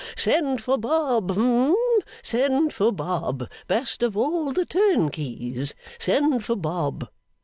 Send for Bob. Hum. Send for Bob best of all the turnkeys send for Bob!